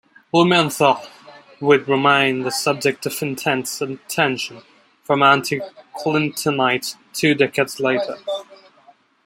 Blumenthal would remain the subject of intense attention from anti-Clintonites two decades later.